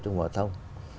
trung học phổ tông